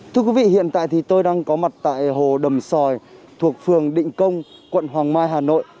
thưa quý vị hiện tại thì tôi đang có mặt tại hồ đầm sòi thuộc phường định công quận hoàng mai hà nội